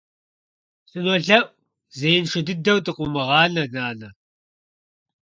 СынолъэӀу, зеиншэ дыдэу дыкъыумыгъанэ, нанэ.